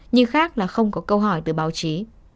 nhưng khác là không có câu hỏi từ báo chí